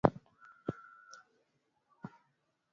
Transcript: namna ya unavyoweza kupika matembele